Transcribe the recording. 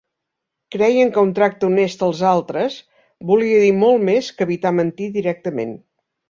Creien que un tracte honest als altres volia dir molt més que evitar mentir directament.